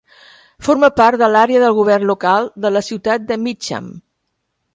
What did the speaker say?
Forma part de l'àrea de govern local de la ciutat de Mitcham.